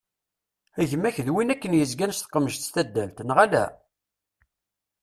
Gma-k d win akken yezgan s tqemjet tadalt, neɣ ala?